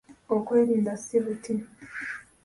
Okwerinda si buti.